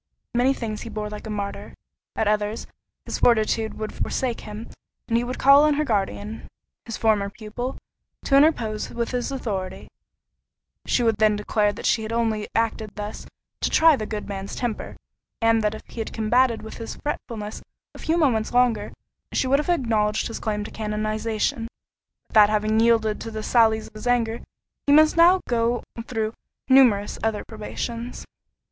Many things he bore like a martyr—at others, his fortitude would forsake him, and he would call on her guardian, his former pupil, to interpose with his authority: she would then declare that she only had acted thus "to try the good man's temper, and that if he had combated with his fretfulness a few moments longer, she would have acknowledged his claim to canonization; but that having yielded to the sallies of his anger, he must now go through numerous other probations."